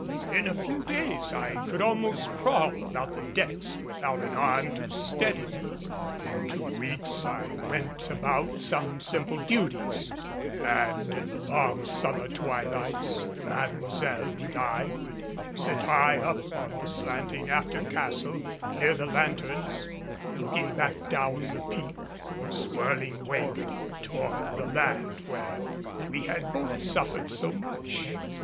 In a few days I could almost crawl about the decks without an arm to steady me. In two weeks I went about some simple duties; and in the long summer twilights, Mademoiselle and I would sit high up on the slanting after castle near the lanthorns, looking back down the pink, swirling wake toward the land where we had both suffered so much.